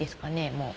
もう。